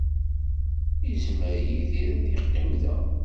Yezmer Yidir ad yeqqim da.